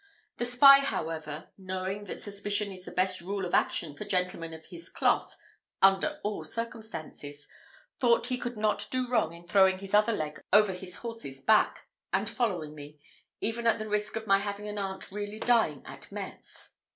The spy, however, knowing that suspicion is the best rule of action for gentlemen of his cloth under all circumstances, thought he could not do wrong in throwing his other leg over his horse's back, and following me, even at the risk of my having an aunt really dying at Metz.